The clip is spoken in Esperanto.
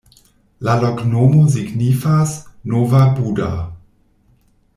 La loknomo signifas: nova-Buda.